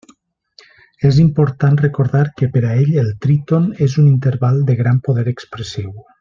És important recordar que per a ell el tríton és un interval de gran poder expressiu.